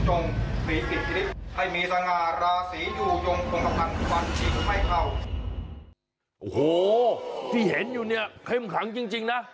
โอ้โหที่เห็นอยู่เนี่ยเข้มขังจริงนะ